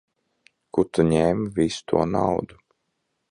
Kur tu ņēmi visu to naudu?